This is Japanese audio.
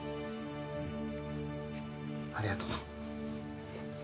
ありがとう